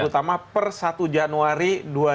terutama per satu januari dua ribu sembilan belas